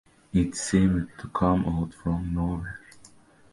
It seemed to come out of nowhere.